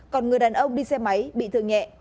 còn người đàn ông đi xe máy bị thương nhẹ